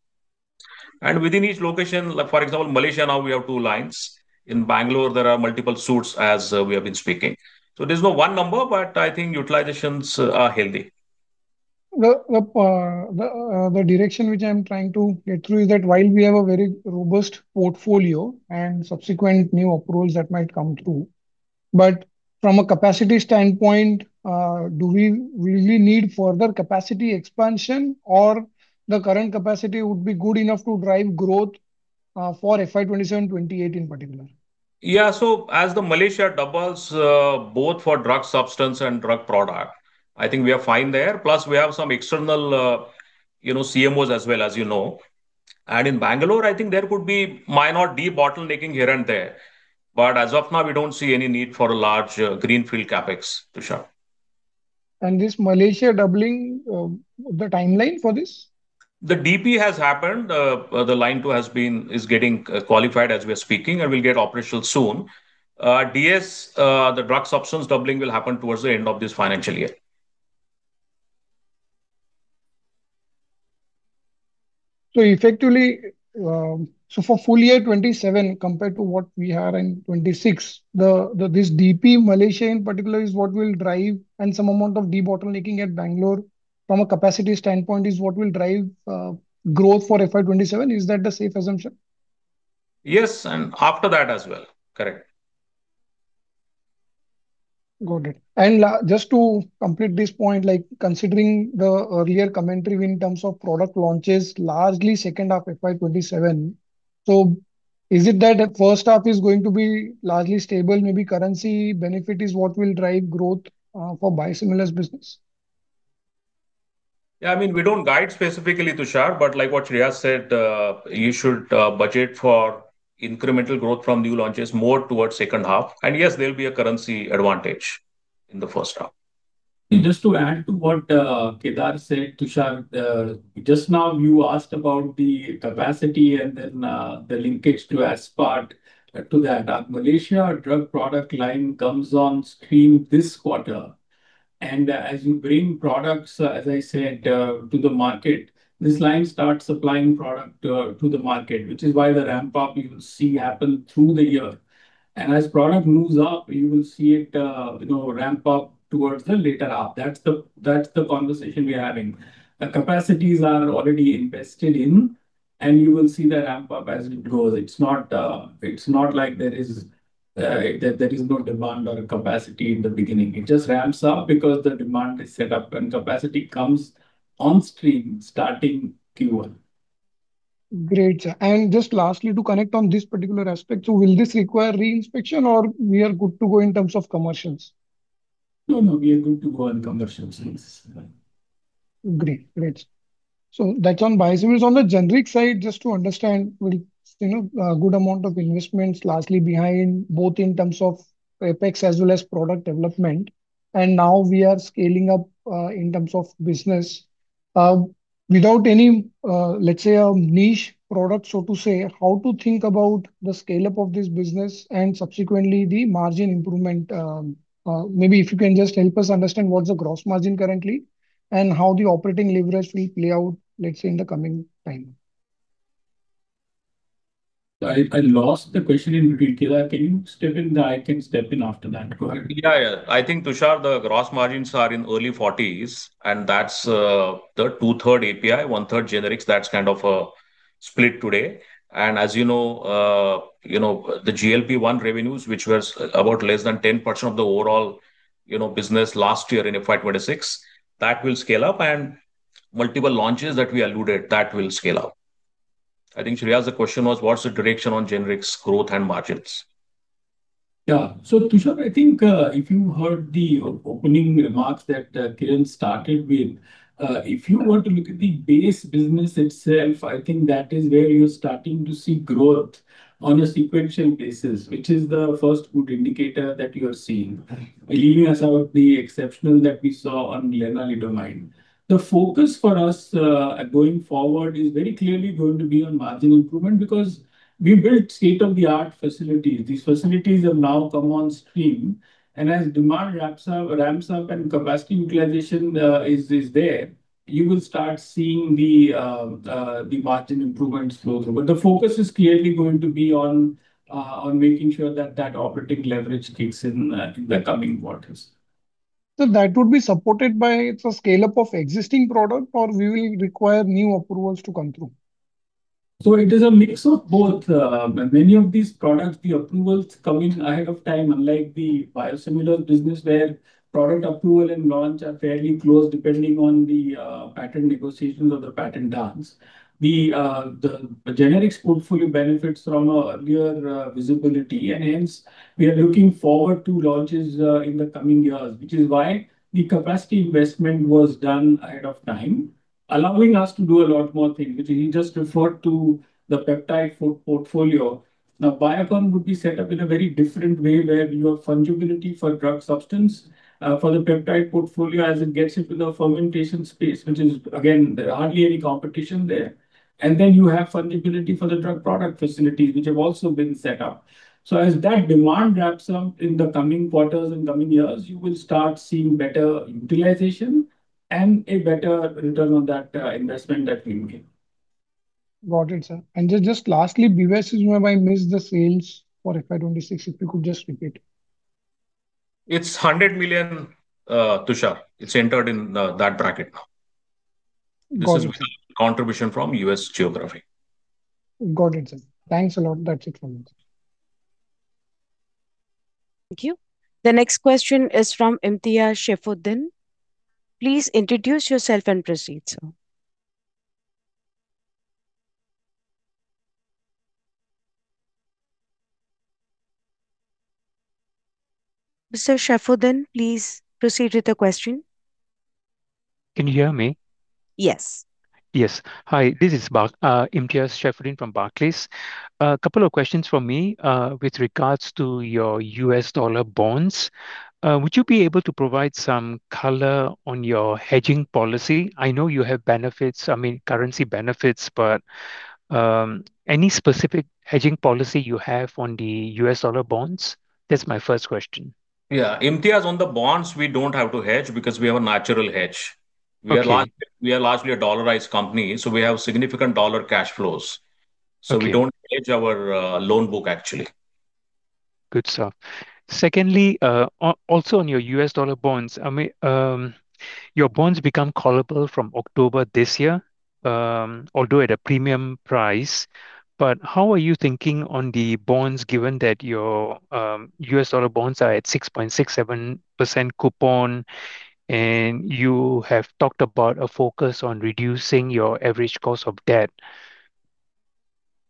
Within each location, like for example, Malaysia now we have two lines. In Bangalore there are multiple suites, as we have been speaking. There's no one number, but I think utilizations are healthy. The direction which I'm trying to get through is that while we have a very robust portfolio and subsequent new approvals that might come through, but from a capacity standpoint, do we really need further capacity expansion or the current capacity would be good enough to drive growth for FY 2027/2028 in particular? Yeah. As the Malaysia doubles, both for drug substance and drug product, I think we are fine there. Plus we have some external, you know, CMOs as well, as you know. In Bangalore, I think there could be minor debottlenecking here and there. As of now, we don't see any need for a large, greenfield CapEx, Tushar. This Malaysia doubling, the timeline for this? The DP has happened. The line two is getting qualified as we're speaking and will get operational soon. DS, the drug substance doubling will happen towards the end of this financial year. Effectively, for full year 2027 compared to what we had in 2026, this DP, Malaysia in particular, is what will drive, and some amount of debottlenecking at Bangalore from a capacity standpoint is what will drive, growth for FY 2027. Is that a safe assumption? Yes, after that as well. Correct. Got it. Just to complete this point, like considering the earlier commentary in terms of product launches, largely second half FY 2027, so is it that the first half is going to be largely stable, maybe currency benefit is what will drive growth for biosimilars business? Yeah, I mean, we don't guide specifically, Tushar. Like what Shreehas said, you should budget for incremental growth from new launches more towards second half. Yes, there'll be a currency advantage in the first half. Just to add to what Kedar said, Tushar, just now you asked about the capacity and then the linkage to aspart. To that, Malaysia drug product line comes on stream this quarter. As you bring products, as I said, to the market, this line starts supplying product to the market, which is why the ramp up you will see happen through the year. As product moves up, you will see it, you know, ramp up towards the later half. That's the conversation we're having. The capacities are already invested in, and you will see the ramp up as it goes. It's not, it's not like there is no demand or capacity in the beginning. It just ramps up because the demand is set up and capacity comes on stream starting Q1. Great, sir. Just lastly, to connect on this particular aspect, so will this require re-inspection or we are good to go in terms of commercials? No, no, we are good to go on commercials. Yes. Great. Great. That's on biosimilars. On the generic side, just to understand, will, you know, a good amount of investments largely behind both in terms of CapEx as well as product development. Now we are scaling up in terms of business without any a niche product, how to think about the scale-up of this business and subsequently the margin improvement, if you can just help us understand what is the gross margin currently and how the operating leverage will play out in the coming time? I lost the question in between. Kedar, can you step in there? I can step in after that. Go ahead. Yeah, yeah. I think, Tushar, the gross margins are in early 40s, and that's the 2/3 API, 1/3 generics. That's kind of a split today. As you know, you know, the GLP-1 revenues, which was about less than 10% of the overall, you know, business last year in FY 2026, that will scale up. Multiple launches that we alluded, that will scale up. I think, Shreehas, the question was what's the direction on generics growth and margins. Tushar, I think, if you heard the opening remarks that Kiran started with, if you want to look at the base business itself, I think that is where you're starting to see growth on a sequential basis, which is the first good indicator that you are seeing. Right. Leaving aside the exceptional that we saw on lenalidomide. The focus for us going forward is very clearly going to be on margin improvement because we built state-of-the-art facilities. These facilities have now come on stream. As demand ramps up and capacity utilization is there, you will start seeing the margin improvements flow through. The focus is clearly going to be on making sure that that operating leverage kicks in in the coming quarters. That would be supported by it's a scale-up of existing product or we will require new approvals to come through? It is a mix of both. Many of these products, the approvals come in ahead of time, unlike the biosimilars business where product approval and launch are fairly close depending on the patent negotiations or the patent dance. The generics portfolio benefits from earlier visibility, and hence we are looking forward to launches in the coming years, which is why the capacity investment was done ahead of time, allowing us to do a lot more things, which we just referred to the peptide portfolio. Biocon would be set up in a very different way where you have fungibility for drug substance for the peptide portfolio as it gets into the fermentation space, which is, again, there are hardly any competition there. You have fungibility for the drug product facilities, which have also been set up. As that demand ramps up in the coming quarters and coming years, you will start seeing better utilization and a better return on that investment that we made. Got it, sir. Just lastly, BVZ, have I missed the sales for FY 2026? If you could just repeat. It's 100 million, Tushar. It's entered in that bracket now. Got it. This is contribution from U.S. geography. Got it, sir. Thanks a lot. That's it from me, sir. Thank you. The next question is from Imtiaz Shefuddin. Please introduce yourself and proceed, sir. Mr. Shefuddin, please proceed with the question. Can you hear me? Yes. Yes. Hi, this is Imtiaz Shefuddin from Barclays. A couple of questions from me with regards to your U.S. dollar bonds. Would you be able to provide some color on your hedging policy? I know you have benefits, I mean, currency benefits, but any specific hedging policy you have on the U.S. dollar bonds? That's my first question. Imtiaz, on the bonds, we don't have to hedge because we have a natural hedge. Okay. We are largely a dollarized company, so we have significant dollar cash flows. Okay. We don't hedge our loan book actually. Good stuff. Secondly, also on your U.S. dollar bonds, I mean, your bonds become callable from October this year, although at a premium price. How are you thinking on the bonds given that your U.S. dollar bonds are at 6.67% coupon, and you have talked about a focus on reducing your average cost of debt?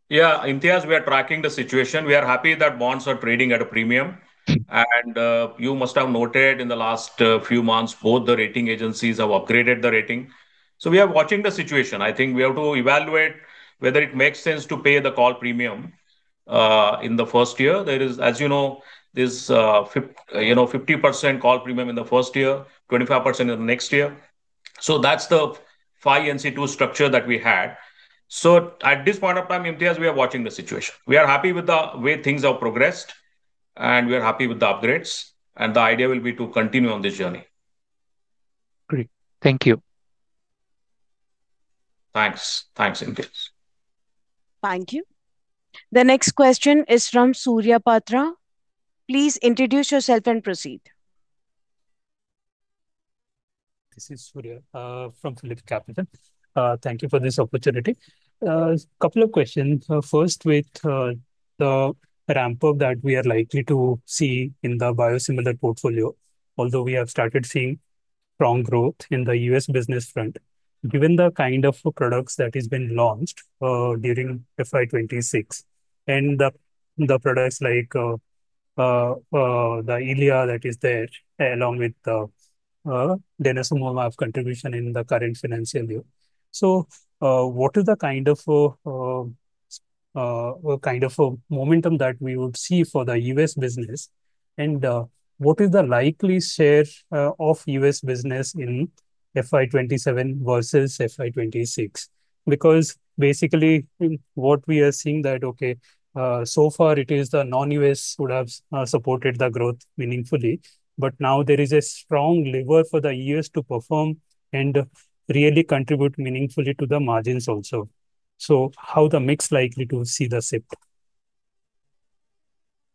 Yeah. Imtiaz, we are tracking the situation. We are happy that bonds are trading at a premium. You must have noted in the last few months, both the rating agencies have upgraded the rating. We are watching the situation. I think we have to evaluate whether it makes sense to pay the call premium in the first year. There is, as you know, this, you know, 50% call premium in the first year, 25% in the next year. That's the 5NC2 structure that we had. At this point of time, Imtiaz, we are watching the situation. We are happy with the way things have progressed and we are happy with the upgrades, and the idea will be to continue on this journey. Great. Thank you. Thanks. Thanks, Imtiaz. Thank you. The next question is from Surya Patra. Please introduce yourself and proceed. This is Surya from PhillipCapital. Thank you for this opportunity. Couple of questions. First with the ramp-up that we are likely to see in the biosimilar portfolio. Although we have started seeing strong growth in the U.S. business front, given the kind of products that has been launched during FY 2026. The products like Eylea that is there along with the denosumab contribution in the current financial year. What is the kind of a momentum that we would see for the U.S. business? What is the likely share of U.S. business in FY 2027 versus FY 2026? Basically what we are seeing that, so far it is the non-U.S. would have supported the growth meaningfully, but now there is a strong lever for the U.S. to perform and really contribute meaningfully to the margins also. How the mix likely to see the shift?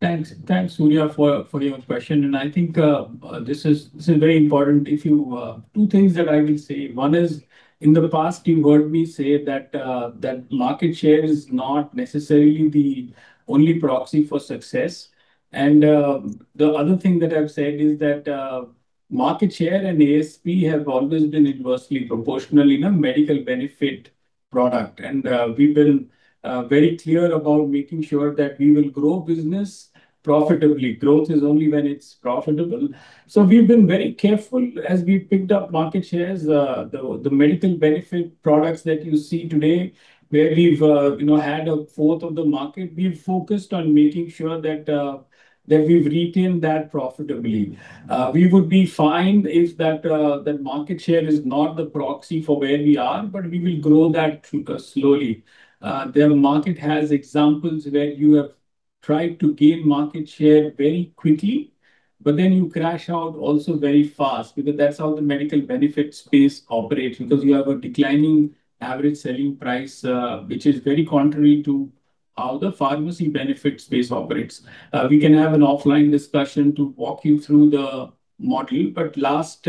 Thanks. Thanks, Surya, for your question. I think this is very important. If you, two things that I will say. One is, in the past, you've heard me say that market share is not necessarily the only proxy for success. The other thing that I've said is that market share and ASP have always been inversely proportional in a medical benefit product. We've been very clear about making sure that we will grow business profitably. Growth is only when it's profitable. We've been very careful as we picked up market shares. The medical benefit products that you see today where we've, you know, had a 1/4 of the market, we've focused on making sure that we've retained that profitably. We would be fine if that market share is not the proxy for where we are, but we will grow that slowly. The market has examples where you have tried to gain market share very quickly, but then you crash out also very fast because that's how the medical benefit space operates, because you have a declining average selling price, which is very contrary to how the pharmacy benefit space operates. We can have an offline discussion to walk you through the model. Last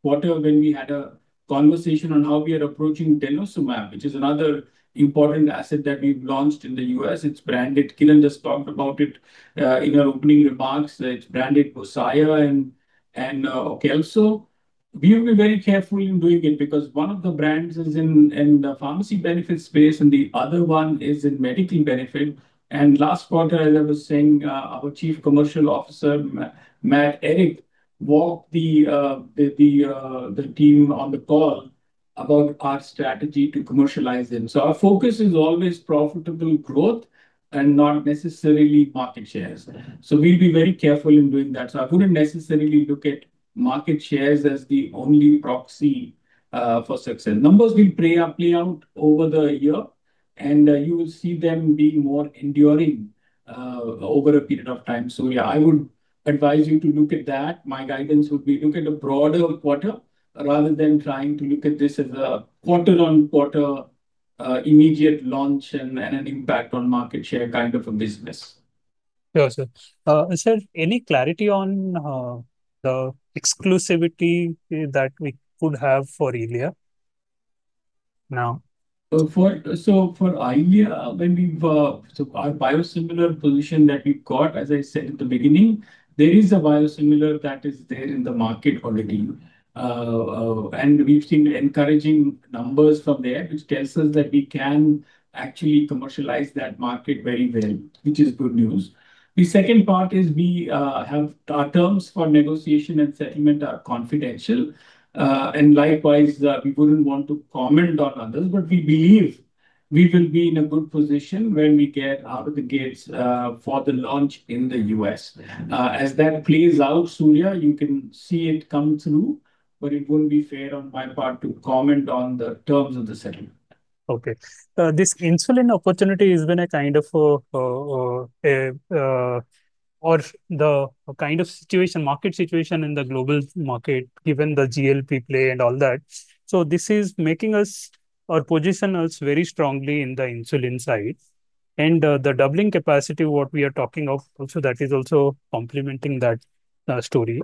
quarter when we had a conversation on how we are approaching denosumab, which is another important asset that we've launched in the U.S., it's branded. Kiran just talked about it in her opening remarks, that it's branded Bosaya and Aukelso. We will be very careful in doing it because one of the brands is in the pharmacy benefit space and the other one is in medical benefit. Last quarter, as I was saying, our Chief Commercial Officer, Matt Erick, walked the team on the call about our strategy to commercialize them. Our focus is always profitable growth and not necessarily market shares. We will be very careful in doing that. I wouldn't necessarily look at market shares as the only proxy for success. Numbers will play out over the year, and you will see them being more enduring over a period of time. Yeah, I would advise you to look at that. My guidance would be look at the broader quarter rather than trying to look at this as a quarter on quarter, immediate launch and an impact on market share kind of a business. Sure, sir. sir, any clarity on the exclusivity that we could have for Eylea now? For Eylea, when we've, our biosimilar position that we've got, as I said at the beginning, there is a biosimilar that is there in the market already. We've seen encouraging numbers from there, which tells us that we can actually commercialize that market very well, which is good news. The second part is, our terms for negotiation and settlement are confidential. Likewise, we wouldn't want to comment on others. We believe we will be in a good position when we get out of the gates for the launch in the U.S. As that plays out, Surya, you can see it come through. It wouldn't be fair on my part to comment on the terms of the settlement. Okay. This insulin opportunity has been a kind of situation, market situation in the global market, given the GLP-1 play and all that. This is making us, or position us very strongly in the insulin side. The doubling capacity what we are talking of also, that is also complementing that story.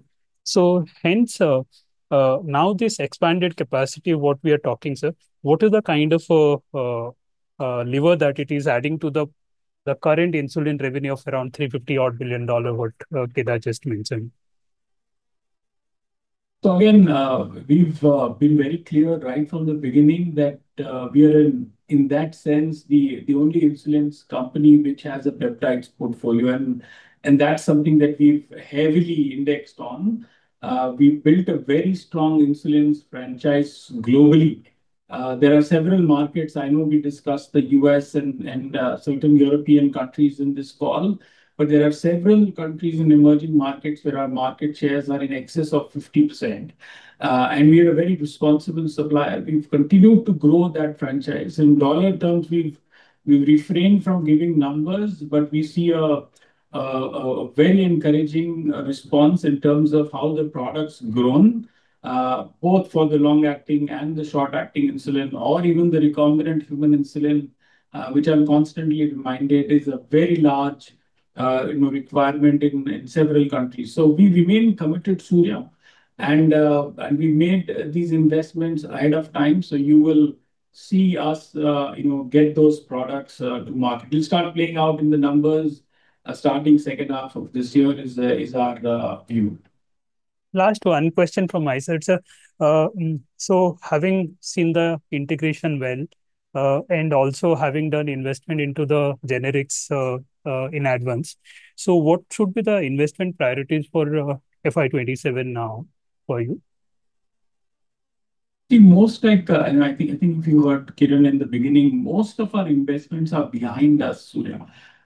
Now this expanded capacity what we are talking, sir, what is the kind of lever that it is adding to the current insulin revenue of around 350 odd billion what Kedar just mentioned? Again, we've been very clear right from the beginning that we are in that sense the only insulins company which has a peptides portfolio. That's something that we've heavily indexed on. We've built a very strong insulins franchise globally. There are several markets, I know we discussed the U.S. and certain European countries in this call, but there are several countries in emerging markets where our market shares are in excess of 50%. We are a very responsible supplier. We've continued to grow that franchise. In dollar terms, we've refrained from giving numbers, but we see a very encouraging response in terms of how the product's grown, both for the long-acting and the short-acting insulin, or even the recombinant human insulin, which I'm constantly reminded is a very large, you know, requirement in several countries. We remain committed, Surya. We made these investments ahead of time, so you will see us, you know, get those products to market. It'll start playing out in the numbers, starting second half of this year is our view. Last one question from my side, sir. Having seen the integration well, and also having done investment into the generics in advance, what should be the investment priorities for FY 2027 now for you? The most like, I think, I think if you heard Kiran in the beginning, most of our investments are behind us,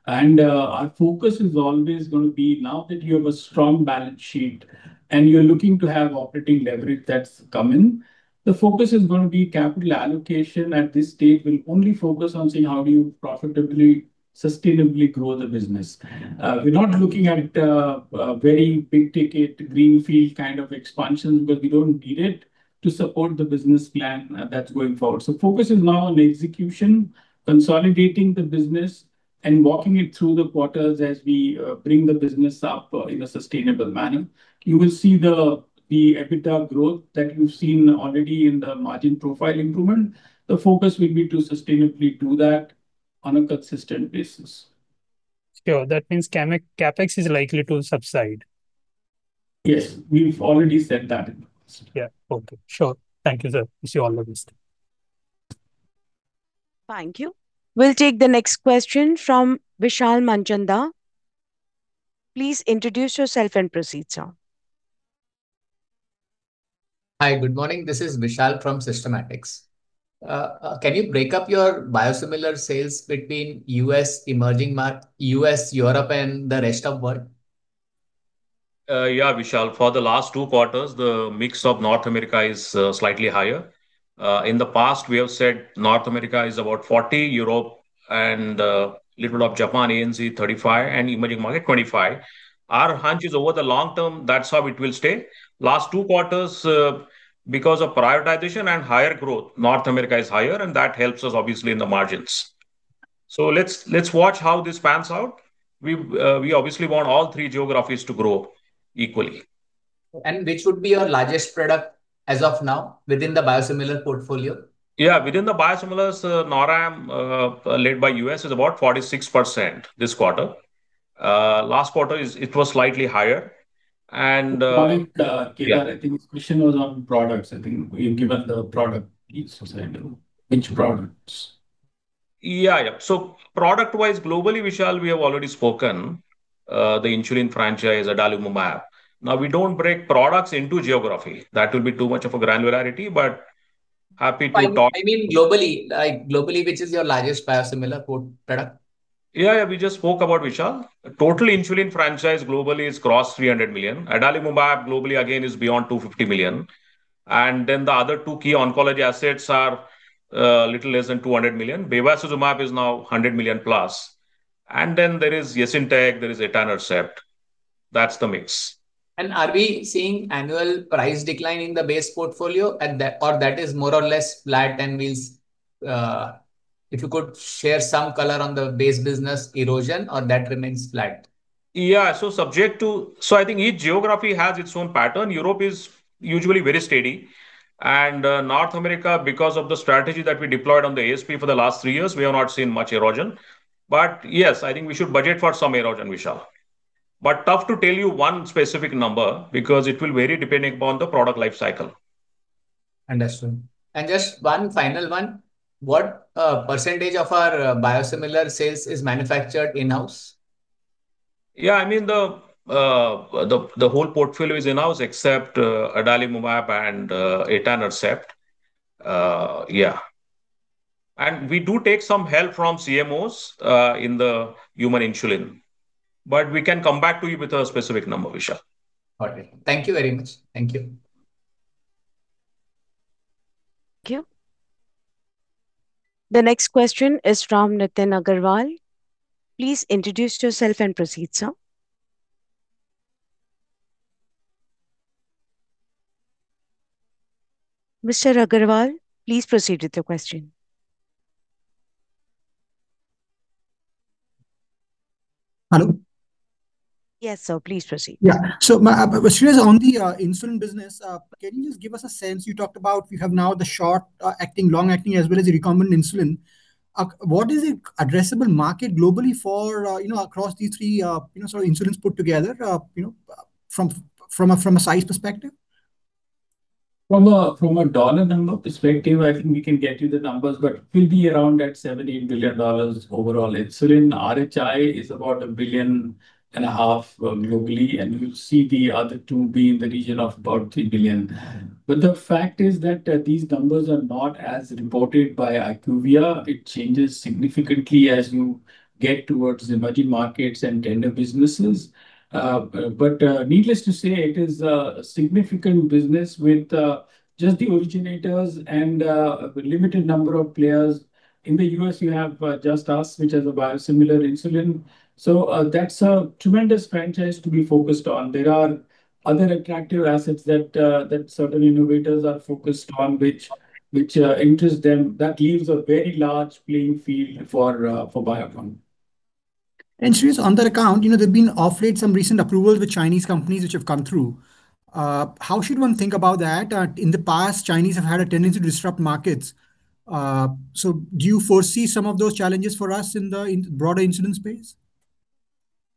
Surya. Our focus is always gonna be now that you have a strong balance sheet and you're looking to have operating leverage that's coming, the focus is gonna be capital allocation at this stage. We'll only focus on seeing how do you profitably, sustainably grow the business. We're not looking at a very big ticket, greenfield kind of expansion because we don't need it to support the business plan that's going forward. Focus is now on execution, consolidating the business and walking it through the quarters as we bring the business up in a sustainable manner. You will see the EBITDA growth that you've seen already in the margin profile improvement. The focus will be to sustainably do that on a consistent basis. Sure. That means CapEx is likely to subside. Yes. We've already said that. Yeah. Okay. Sure. Thank you, sir. Wish you all the best. Thank you. We will take the next question from Vishal Manchanda. Please introduce yourself and proceed, sir. Hi. Good morning. This is Vishal from Systematix. Can you break up your biosimilar sales between U.S., Europe, and the rest of world? Yeah, Vishal. For the last two quarters, the mix of North America is slightly higher. In the past, we have said North America is about 40%, Europe and little of Japan, ANZ 35%, and emerging market 25%. Our hunch is, over the long term, that's how it will stay. Last two quarters, because of prioritization and higher growth, North America is higher, and that helps us obviously in the margins. Let's watch how this pans out. We obviously want all three geographies to grow equally. Which would be your largest product as of now within the biosimilar portfolio? Yeah. Within the biosimilars, NORAM, led by U.S., is about 46% this quarter. Last quarter it was slightly higher. Kedar, I think his question was on products. I think you've given the product piece. Which products? Yeah, yeah. Product-wise, globally, Vishal, we have already spoken, the insulin franchise, adalimumab. We don't break products into geography. That would be too much of a granularity. Well, I mean globally. Like, globally, which is your largest biosimilar product? Yeah, yeah. We just spoke about, Vishal. Total insulin franchise globally is gross $300 million. Adalimumab globally again is beyond $250 million. The other two key oncology assets are little less than $200 million. Bevacizumab is now $100+ million. There is Yesintek, there is etanercept. That's the mix. Are we seeing annual price decline in the base portfolio and that or that is more or less flat and will, If you could share some color on the base business erosion or that remains flat? I think each geography has its own pattern. Europe is usually very steady. North America, because of the strategy that we deployed on the ASP for the last three years, we have not seen much erosion. Yes, I think we should budget for some erosion, Vishal. Tough to tell you one specific number because it will vary depending upon the product life cycle. Understood. Just one final one, what percentage of our biosimilar sales is manufactured in-house? Yeah. I mean, the whole portfolio is in-house except adalimumab and etanercept. Yeah. We do take some help from CMOs in the human insulin, but we can come back to you with a specific number, Vishal. Okay. Thank you very much. Thank you. Thank you. The next question is from Nitin Agarwal. Please introduce yourself and proceed, sir. Mr. Agarwal, please proceed with your question. Hello? Yes, sir. Please proceed. Yeah. Shreehas, on the insulin business, can you just give us a sense, you talked about you have now the short acting, long acting, as well as the recombinant insulin. What is the addressable market globally for across these three sort of insulins put together from a size perspective? From a dollar number perspective, I think we can get you the numbers, but it will be around that $70 billion overall insulin. RHI is about $1.5 billion globally, and you'll see the other two be in the region of about $3 billion. The fact is that these numbers are not as reported by IQVIA. It changes significantly as you get towards emerging markets and tender businesses. Needless to say, it is a significant business with just the originators and limited number of players. In the U.S. you have just us, which has a biosimilar insulin, so that's a tremendous franchise to be focused on. There are other attractive assets that certain innovators are focused on, which interest them. That leaves a very large playing field for Biocon. Sri, on that account, you know, there've been of late some recent approvals with Chinese companies which have come through. How should one think about that? In the past, Chinese have had a tendency to disrupt markets. Do you foresee some of those challenges for us in the broader insulin space?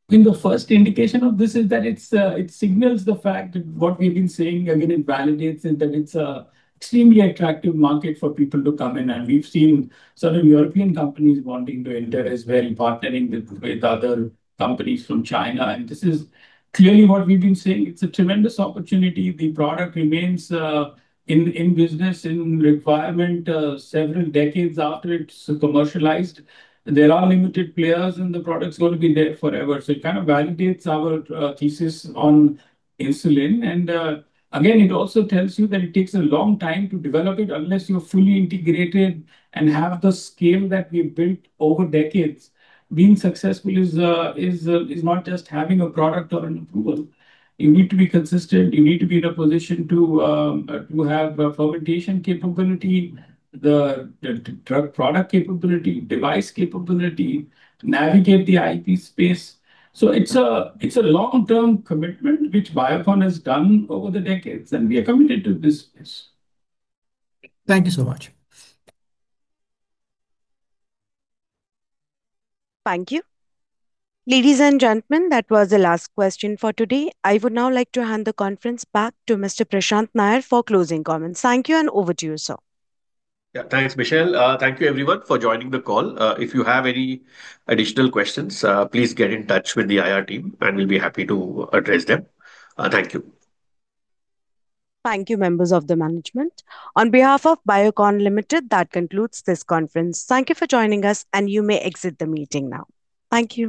I think the first indication of this is that it's, it signals the fact that what we've been saying, again, it validates it, that it's a extremely attractive market for people to come in, we've seen Southern European companies wanting to enter as well, partnering with other companies from China. This is clearly what we've been saying. It's a tremendous opportunity. The product remains in business, in requirement, several decades after it's commercialized. There are limited players and the product's going to be there forever. It kind of validates our thesis on insulin. Again, it also tells you that it takes a long time to develop it unless you're fully integrated and have the scale that we've built over decades. Being successful is not just having a product or an approval. You need to be consistent. You need to be in a position to have a fermentation capability, the drug product capability, device capability, navigate the IP space. It's a long-term commitment which Biocon has done over the decades, and we are committed to this space. Thank you so much. Thank you. Ladies and gentlemen, that was the last question for today. I would now like to hand the conference back to Mr. Prashant Nair for closing comments. Thank you, and over to you, sir. Yeah. Thanks, Michelle. Thank you everyone for joining the call. If you have any additional questions, please get in touch with the IR team and we'll be happy to address them. Thank you. Thank you, members of the management. On behalf of Biocon Limited, that concludes this conference. Thank you for joining us, and you may exit the meeting now. Thank you.